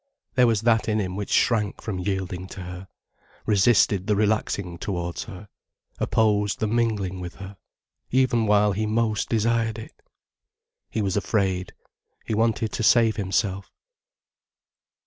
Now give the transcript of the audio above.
There was that in him which shrank from yielding to her, resisted the relaxing towards her, opposed the mingling with her, even while he most desired it. He was afraid, he wanted to save himself.